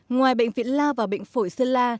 ngoài bệnh viện la và bệnh phổi sơn la